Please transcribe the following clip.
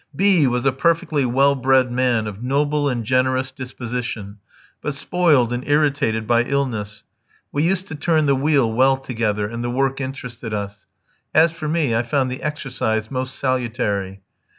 B was a perfectly well bred man, of noble and generous disposition, but spoiled and irritated by illness. We used to turn the wheel well together, and the work interested us. As for me, I found the exercise most salutary.